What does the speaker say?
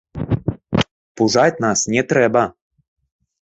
Пужаць нас не трэба.